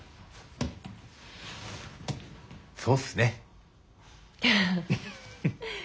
そうっすね。